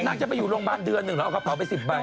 จะไปอยู่โรงพยาบาลเดือนหนึ่งเหรอเอากระเป๋าไป๑๐ใบ